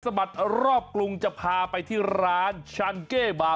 บัดรอบกรุงจะพาไปที่ร้านชันเก้บา